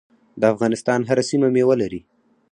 د افغانستان هره سیمه میوه لري.